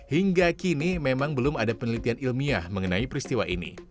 hingga kini memang belum ada penelitian ilmiah mengenai peristiwa ini